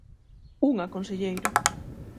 Unha, conselleiro.